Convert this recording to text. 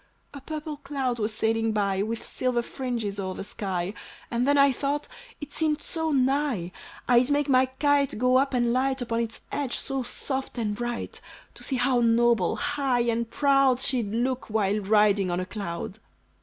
"A purple cloud was sailing by, With silver fringes, o'er the sky; And then I thought, it seemed so nigh, I'd make my kite go up and light Upon its edge, so soft and bright; To see how noble, high and proud She'd look, while riding on a cloud!